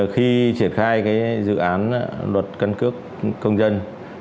khi triển khai dự án luật căn cước công dân